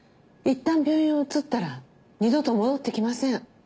いったん病院を移ったら二度と戻ってきません。